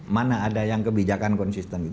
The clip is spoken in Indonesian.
mana ada yang kebijakan konsisten gitu